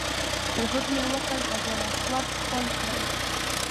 کوښښ مې وکړ حجر اسود ښکل کړم.